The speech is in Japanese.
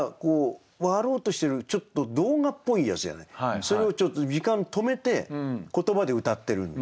それをちょっと時間止めて言葉でうたってるんで。